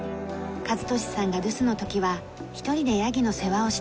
和敏さんが留守の時は一人でヤギの世話をしています。